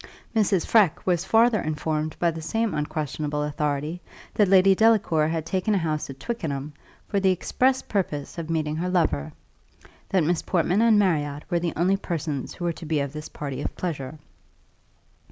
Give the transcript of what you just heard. Mrs. Freke was farther informed by the same unquestionable authority, that Lady Delacour had taken a house at Twickenham, for the express purpose of meeting her lover: that Miss Portman and Marriott were the only persons who were to be of this party of pleasure.